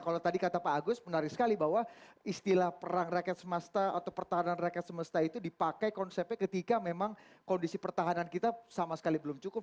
kalau tadi kata pak agus menarik sekali bahwa istilah perang rakyat semesta atau pertahanan rakyat semesta itu dipakai konsepnya ketika memang kondisi pertahanan kita sama sekali belum cukup